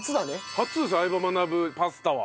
初です『相葉マナブ』パスタは。